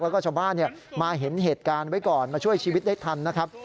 แล้วก็ชาวบ้านมาเห็นเหตุการณ์ไว้ก่อนมาช่วยชีวิตได้ทันนะครับ